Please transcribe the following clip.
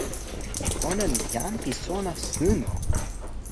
ona li jan pi sona suno.